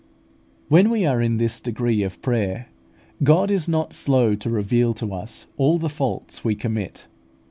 When we are in this degree of prayer, God is not slow to reveal to us all the faults we commit.